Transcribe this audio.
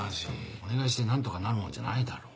お願いして何とかなるもんじゃないだろう。